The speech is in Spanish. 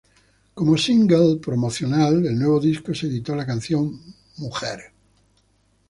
Como single promocional del nuevo disco se editó la canción "Mujer".